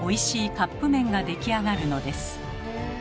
カップ麺が出来上がるのです。